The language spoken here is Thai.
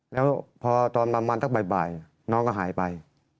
แล้วพอตอนประมาณสักบ่ายน้องก็หายไป